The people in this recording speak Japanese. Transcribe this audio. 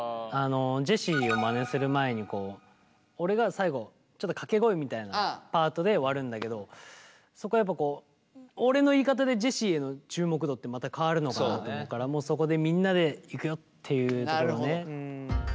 ジェシーをマネする前に俺が最後ちょっと掛け声みたいなパートで終わるんだけどそこはやっぱ俺の言い方でジェシーへの注目度ってまた変わるのかなと思うからもうそこでみんなでいくよっていうところをね。